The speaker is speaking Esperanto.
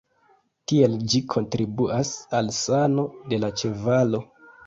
Tiel ĝi kontribuas al sano de la ĉevalo.